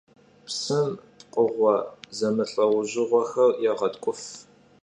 Psım pkhığue zemılh'eujığuexer yêğetk'uf.